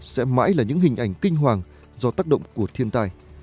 sẽ mãi là những hình ảnh kinh hoàng do tác động của thiên tai